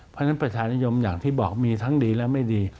เพราะฉะนั้นประชานิยมอย่างที่บอกมีทั้งดีและไม่ดี